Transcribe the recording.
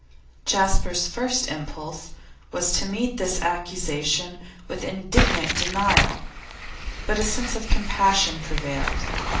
Jasper's first impulse was to meet this accusation with indignant denial, but a sense of compassion prevailed.